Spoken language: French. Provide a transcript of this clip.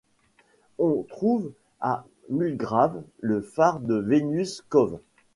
On trouve à Mulgrave le phare de Venus cove.